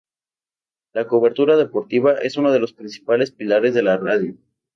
La cobertura deportiva es uno de los principales pilares de la radio.